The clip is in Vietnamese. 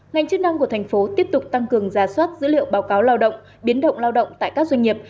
ngành chức năng của thành phố tiếp tục tăng cường ra soát dữ liệu báo cáo lao động biến động lao động tại các doanh nghiệp